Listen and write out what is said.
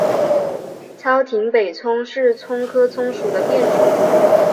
糙葶北葱是葱科葱属的变种。